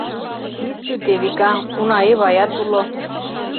Ит лӱд, Эвика, уна Эваят уло.